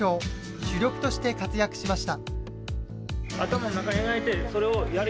主力として活躍しました。